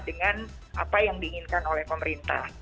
dengan apa yang diinginkan oleh pemerintah